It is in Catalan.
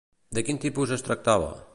De quin tipus es tractava?